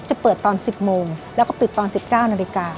จะเปิดตอน๑๐โมงแล้วก็ปิดตอน๑๙นาฬิกา